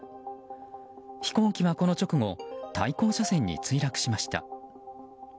飛行機は、この直後対向車線に墜落しました。